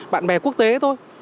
bạn bè quốc tế thôi